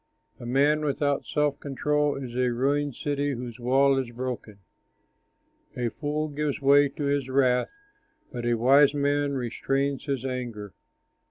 A man without self control Is a ruined city whose wall is broken. A fool gives way to his wrath, But a wise man restrains his anger.